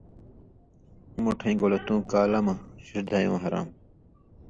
مُوٹَھیں گولہ تُوں کالہ مہ ݜِݜ دھیؤں حرام